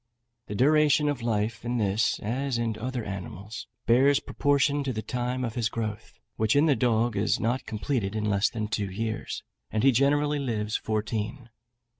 The duration of life in this, as in other animals, bears proportion to the time of his growth, which in the dog is not completed in less than two years, and he generally lives fourteen.